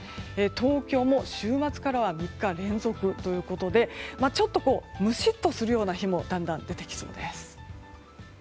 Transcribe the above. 東京も週末からは３日連続ということでちょっとムシッとするような日もだんだん出てきそうです。